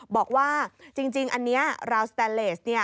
บอกว่าจริงอันนี้ราวสแตนเลส